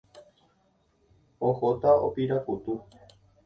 Ohóta opirakutu.